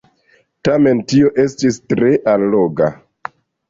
Tamen tio estis tre alloga!